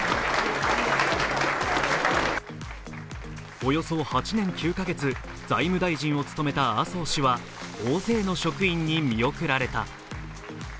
およそ８年９カ月、財務大臣を務めた麻生氏は大勢の職員に見送られた。